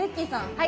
はい。